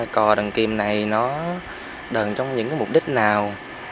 cò đần kìm này nó đần trong những mục đích nào